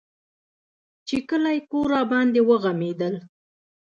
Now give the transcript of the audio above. چې کلى کور راباندې وغمېدل.